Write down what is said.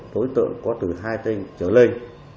đối tượng có từ hai tên trở lên